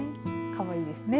かわいいですね。